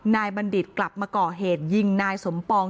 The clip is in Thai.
บัณฑิตกลับมาก่อเหตุยิงนายสมปอง